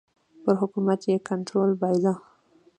پر حکومت یې کنټرول بایله.